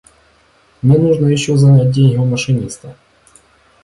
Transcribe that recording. Мне нужно еще занять деньги у машиниста.